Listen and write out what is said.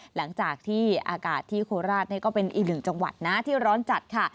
หลังจากที่อากาศที่โคราชนี่ก็เป็นอีกหนึ่งจังหวัดนะที่ร้อนจัดค่ะ